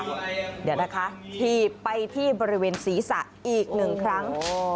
เดี๋ยวนะคะถีบไปที่บริเวณศีรษะอีกหนึ่งครั้ง